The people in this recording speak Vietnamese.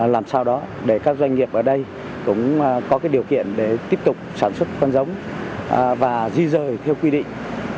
làm sao đó để các doanh nghiệp ở đây cũng có điều kiện để tiếp tục sản xuất con giống và di rời theo quy định